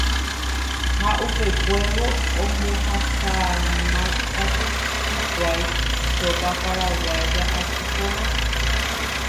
ha upekuévo ombohasámakatu hikuái sopa paraguaya aku porã